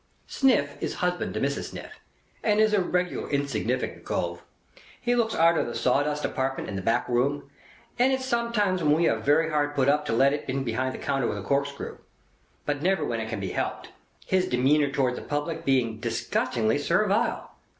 Sniff is husband to Mrs. Sniff, and is a regular insignificant cove. He looks arter the sawdust department in a back room, and is sometimes when we are very hard put to it let in behind the counter with a corkscrew; but never when it can be helped, his demeanour towards the public being disgusting servile.